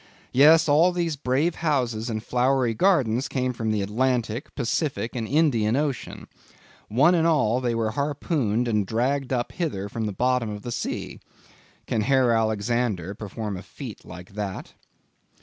Yes; all these brave houses and flowery gardens came from the Atlantic, Pacific, and Indian oceans. One and all, they were harpooned and dragged up hither from the bottom of the sea. Can Herr Alexander perform a feat like that?